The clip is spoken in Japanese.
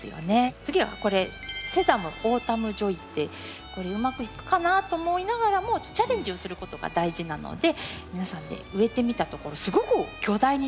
次はこれセダム‘オータムジョイ’ってこれうまくいくかなと思いながらもチャレンジをすることが大事なので皆さんで植えてみたところすごく巨大になって大好きな植物になりました。